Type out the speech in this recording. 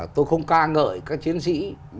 tôi không ca ngợi các chiến sĩ